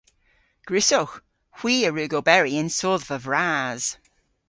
Gwrussowgh. Hwi a wrug oberi yn sodhva vras.